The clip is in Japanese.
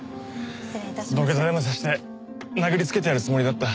土下座でもさせて殴りつけてやるつもりだった。